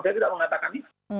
saya tidak mengatakan itu